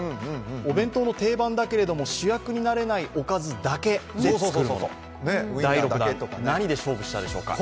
お弁当の定番だけれども、主役になれないおかずだけで作る第６弾、何で勝負したでしょうか？